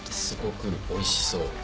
すごくおいしそう。